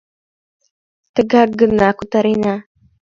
Тыгак гына кутырена.